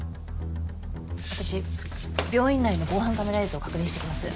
私病院内の防犯カメラ映像確認してきます。